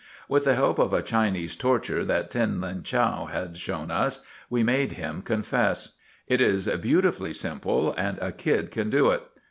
With the help of a Chinese torture that Tin Lin Chow had shown us, we made him confess. It is beautifully simple, and a kid can do it.